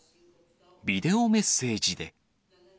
ビデオメッセージで。